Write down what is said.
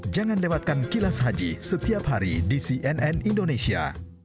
jangan lewatkan kilas haji setiap hari di cnn indonesia